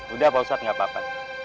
udah pak ustadz gak apa apa